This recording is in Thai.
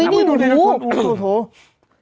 โอ้ยนี่ในนูโอ๊โอ้โห